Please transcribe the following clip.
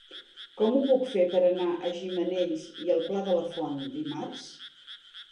Com ho puc fer per anar a Gimenells i el Pla de la Font dimarts?